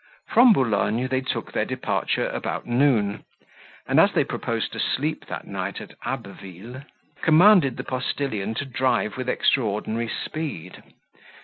From Boulogne they took their departure about noon; and as they proposed to sleep that night at Abbeville, commanded the postilion to drive with extra ordinary speed.